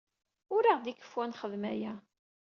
Ur aɣ-d-ikeffu ad nexdem aya.